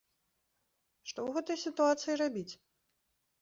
Што ў гэтай сітуацыі рабіць?